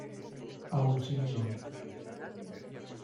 Aun sin John.